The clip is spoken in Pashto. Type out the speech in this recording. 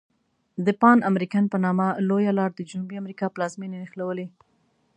د پان امریکن په نامه لویه لار د جنوبي امریکا پلازمیني نښلولي.